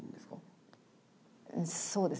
そうですね